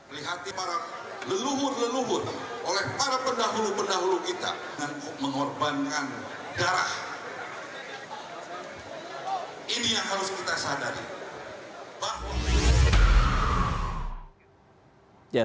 di hati para leluhur leluhur oleh para pendahulu pendahulu kita dan mengorbankan darah ini yang harus kita sadari